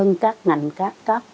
nhưng các ngành các cấp